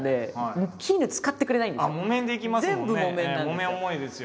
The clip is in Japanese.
木綿重いですよ。